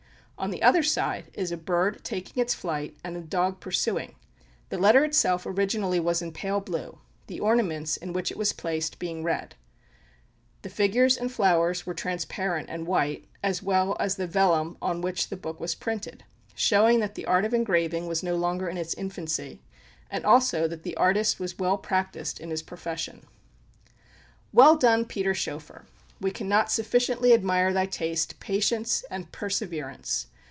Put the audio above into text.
On the other side is a bird taking its flight, and a dog pursuing. The letter itself originally was in pale blue, the ornaments in which it was placed being red; the figures and flowers were transparent and white, as well as the vellum on which the book was printed; showing that the art of engraving was no longer in its infancy, and also that the artist was well practiced in his profession. [Illustration: FROM THE PSALTER, PSALM I.] Well done, Peter Schoeffer! we cannot sufficiently admire thy taste, patience, and perseverance.